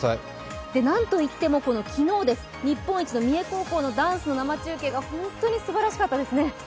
何と言っても昨日、日本一の三重高校のダンスの生中継が本当にすばらしかったですね。